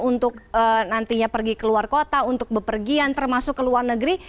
untuk nantinya pergi ke luar kota untuk bepergian termasuk ke luar negeri